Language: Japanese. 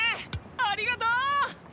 ありがとう！